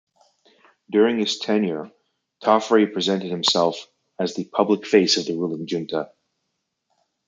During his tenure Tafari presented himself as the public face of the ruling junta.